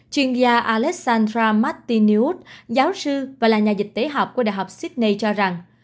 chuyên gia alexandra martinios giáo sư và là nhà dịch tế học của đại học sydney cho rằng